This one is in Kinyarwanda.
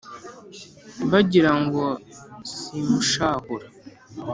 bagira ngo simushahura